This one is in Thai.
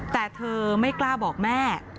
แต่เธอไม่กล้าบอกแม่